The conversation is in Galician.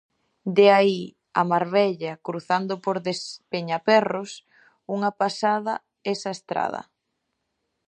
De aí a Marbella cruzando por Despeñaperros, unha pasada esa estrada.